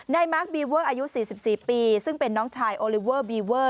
มาร์คบีเวอร์อายุ๔๔ปีซึ่งเป็นน้องชายโอลิเวอร์บีเวอร์